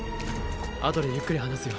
あとでゆっくり話すよ。